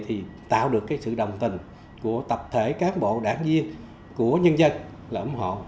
thì tạo được cái sự đồng tình của tập thể cán bộ đảng viên của nhân dân là ủng hộ